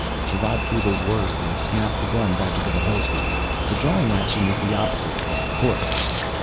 The rod cable whirred and snapped the gun back into the holster. "The drawing action is the opposite of this, of course."